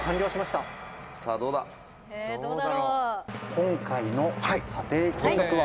「今回の査定金額は」